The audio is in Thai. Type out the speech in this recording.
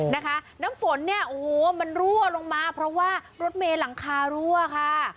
น้ำฝนเนี่ยโอ้โหมันรั่วลงมาเพราะว่ารถเมย์หลังคารั่วค่ะ